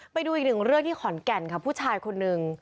ไปดูอีกหนึ่งเรื่องที่ขอนแก่นค่ะผู้ชายคนหนึ่ง